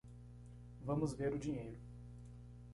Vamos ver o dinheiro.